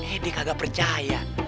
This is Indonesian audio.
eh dia kagak percaya